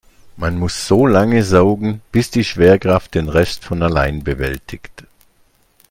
Man muss so lange saugen, bis die Schwerkraft den Rest von allein bewältigt.